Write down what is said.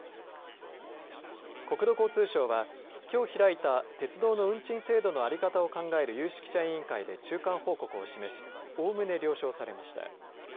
国土交通省はきょう開いた鉄道の運賃制度の在り方を考える有識者委員会で中間報告を示しおおむね了承されました。